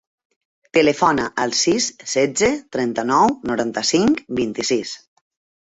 Telefona al sis, setze, trenta-nou, noranta-cinc, vint-i-sis.